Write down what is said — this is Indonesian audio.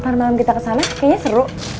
karena malam kita kesana kayaknya seru